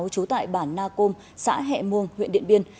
trú tại bản na côm xã hẹ muông huyện điện biên